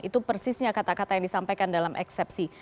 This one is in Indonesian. itu persisnya kata kata yang disampaikan dalam eksepsi